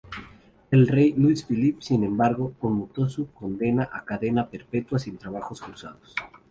El rey Louis-Philippe, sin embargo, conmutó su condena a cadena perpetua sin trabajos forzados.